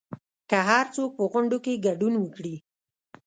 که هرڅوک په غونډو کې ګډون وکړي